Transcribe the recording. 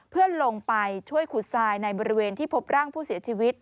เพื่อลงไปช่วยขุดทรายในบริเวณที่พบร่างผู้เสียชีวิต